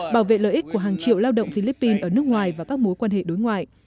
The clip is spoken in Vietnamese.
bảo vệ lợi ích của hàng triệu lao động philippines ở nước ngoài và các mối quan hệ đối ngoại